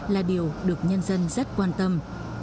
là điều được nhân dân rất quan tâm